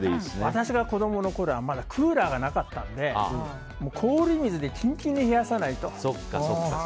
私が子供のころはまだクーラーがなかったので氷水でキンキンに冷やさないと。